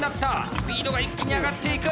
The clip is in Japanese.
スピードが一気に上がっていく。